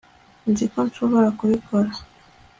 nzi ko nshobora kubikora